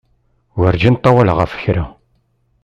Werǧin ṭṭawaleɣ ɣef kra.